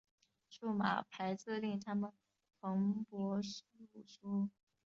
数码排字令它们蓬勃复苏。